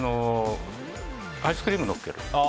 アイスクリームをのっける。